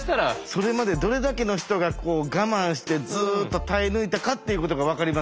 それまでどれだけの人が我慢してずっと耐え抜いたかっていうことが分かりますね。